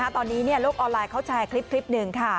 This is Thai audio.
ตอนนี้โลกออนไลน์เขาแชร์คลิปหนึ่งค่ะ